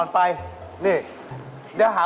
พี่เบิร์ดขา